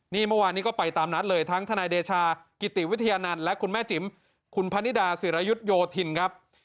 นี่เมื่อวานนี้ก็ไปตามนัดเลยทั้งทนายเดชากิติวิทยานันต์และคุณแม่จิ๋มคุณพนิดาศิรยุทธโยธินครับ